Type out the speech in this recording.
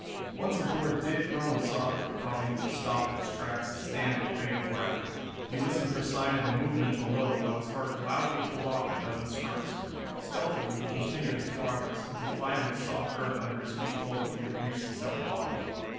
Once a board did groan softly, causing him to stop in his tracks and stand with bated breath. He listened for sign of a movement below, while his heart loudly told off a dozen strokes. Stealthily he continued his progress, until finally soft earth under his feet told him he had reached the cellar bottom.